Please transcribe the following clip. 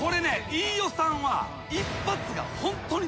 飯尾さんは。